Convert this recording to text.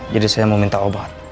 jadi saya mau minta obat